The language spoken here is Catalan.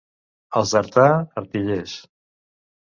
Els d'Artà, artillers.